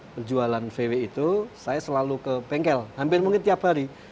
perjualan vw itu saya selalu ke bengkel hampir mungkin tiap hari